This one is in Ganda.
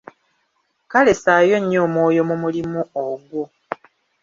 Kale ssaayo nnyo omwoyo mu mulimu ogwo.